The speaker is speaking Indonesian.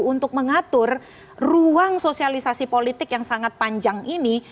untuk mengatur ruang sosialisasi politik yang sangat panjang ini